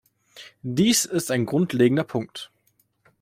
Dies ist ein grundlegender Punkt.